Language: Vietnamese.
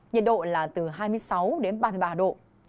nhiệt độ là từ hai mươi sáu đến ba mươi ba độ